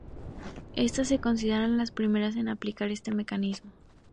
Estas se consideran las primeras en aplicar este mecanismo.